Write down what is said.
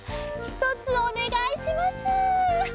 ひとつおねがいします。